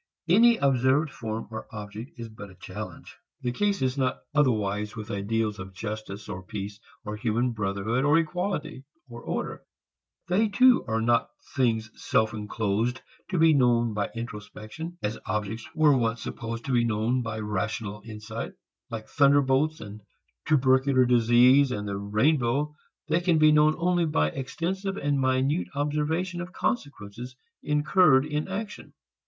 Any observed form or object is but a challenge. The case is not otherwise with ideals of justice or peace or human brotherhood, or equality, or order. They too are not things self enclosed to be known by introspection, as objects were once supposed to be known by rational insight. Like thunderbolts and tubercular disease and the rainbow they can be known only by extensive and minute observation of consequences incurred in action.